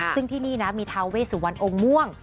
ซึ่งที่นี่นะมีทาเวสุวรรณองค์ม่วง